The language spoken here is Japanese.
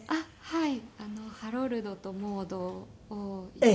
はい。